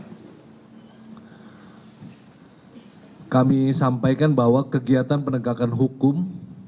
pres rilis dari densus delapan puluh delapan terkait dengan update perkembangan peningkanan terorisme